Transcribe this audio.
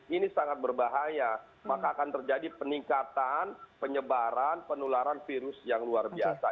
ini sangat berbahaya maka akan terjadi peningkatan penyebaran penularan virus yang luar biasa